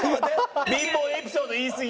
「貧乏エピソード言いすぎ」。